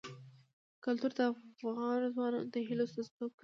کلتور د افغان ځوانانو د هیلو استازیتوب کوي.